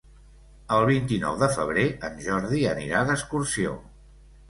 El vint-i-nou de febrer en Jordi anirà d'excursió.